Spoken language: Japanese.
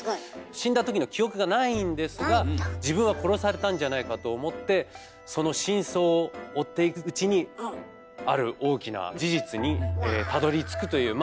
自分は殺されたんじゃないかと思ってその真相を追っていくうちにある大きな事実にたどりつくという。